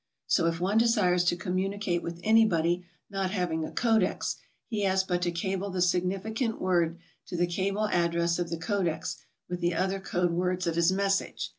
So if one desires to communicate with anybody not having a Codex, he has but to cable the significant word to the cable address of F. O. Houghton & Co., with the other code words of his message.